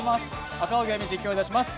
赤荻歩、実況いたします。